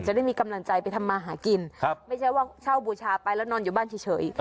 ได้มีกำลังใจไปทำมาหากินไม่ใช่ว่าเช่าบูชาไปแล้วนอนอยู่บ้านเฉย